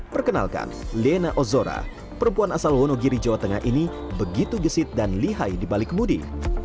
perkenalkan lena ozora perempuan asal wonogiri jawa tengah ini begitu gesit dan lihai di balik kemudi